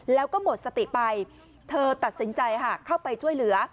แล้วก็หมดสติไปเธอตัดสินใจค่ะเข้าไปช่วยเหลือ